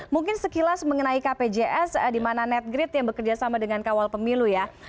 mungkin sekilas mengenai kpjs di mana netgrid yang bekerja sama dengan kawal pemilu ya